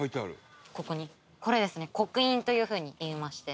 ここにこれですね刻印というふうに言いまして。